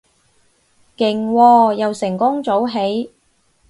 勁喎，又成功早起